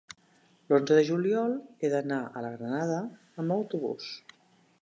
l'onze de juliol he d'anar a la Granada amb autobús.